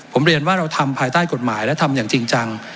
ผมเรียนว่าเราทำภายใต้กฎหมายและทำอย่างจริงจัง